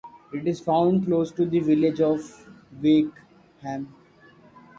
It is found close to the village of Wakeham.